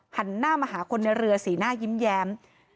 หันหน้ามาหาคนในเรือสีหน้ายิ้มแย้ม